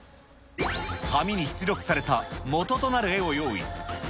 紙に出力された元となる絵を用意。